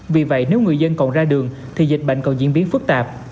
vì vậy nếu người dân còn ra đường thì dịch bệnh còn diễn biến phức tạp